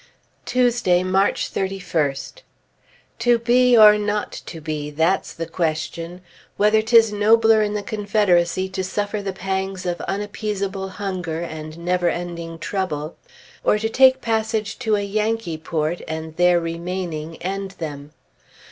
Tuesday, March 31st. "To be, or not to be; that's the question." Whether 'tis nobler in the Confederacy to suffer the pangs of unappeasable hunger and never ending trouble, or to take passage to a Yankee port, and there remaining, end them.